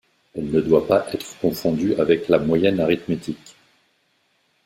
Elle ne doit pas être confondue avec la moyenne arithmétique.